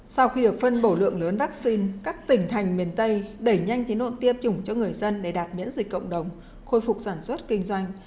sau khi được phân bổ lượng lớn vaccine các tỉnh thành miền tây đẩy nhanh tiến độ tiêm chủng cho người dân để đạt miễn dịch cộng đồng khôi phục sản xuất kinh doanh